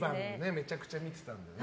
めちゃくちゃ見てたんだよね。